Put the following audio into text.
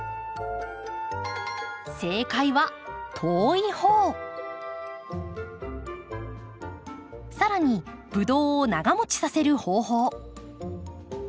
正解はさらにブドウを長もちさせる方法。